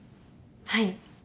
はい。